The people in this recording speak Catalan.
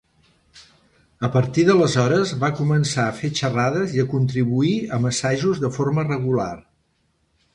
A partir d'aleshores, va començar a fer xerrades i a contribuir amb assajos de forma regular.